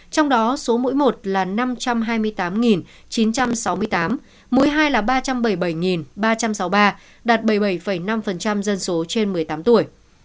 trong đó số mũi một là năm trăm hai mươi tám chín trăm sáu mươi tám mũi hai là ba trăm bảy mươi bảy ba trăm sáu mươi ba đạt bảy mươi bảy năm dân số trên một mươi tám tuổi